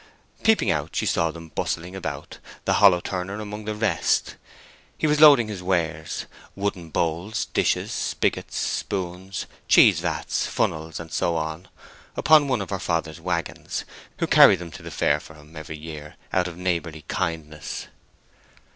Peeping out, she saw them bustling about, the hollow turner among the rest; he was loading his wares—wooden bowls, dishes, spigots, spoons, cheese vats, funnels, and so on—upon one of her father's wagons, who carried them to the fair for him every year out of neighborly kindness.